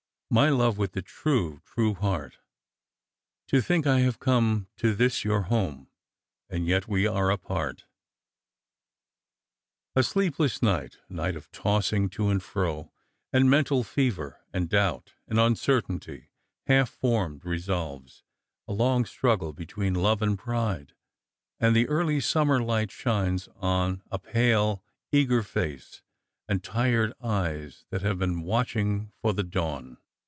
My love with the true, true heart ! To think I have come to this your home, And yet we are apart." A SLEEPLESS night ; a night of tossing to and fro, and mental fever, and doubt, and uncertainty, half formed resolves, a long struggle between love and pride ; and the early summer light shines on a pale eager face and tired eyes that have been watch ing for the dawn.